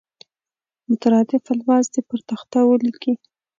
مترادف الفاظ دې پر تخته ولیکي.